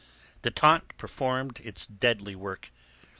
The taunt performed its deadly work.